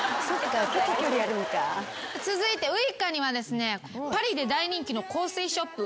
続いてウイカにはですねパリで大人気の香水ショップ